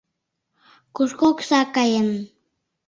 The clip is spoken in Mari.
— Кушко окса каен?